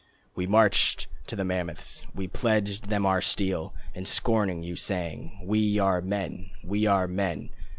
We marched to the mammoths, We pledged them our steel, And scorning you, sang: "We are men, We are men."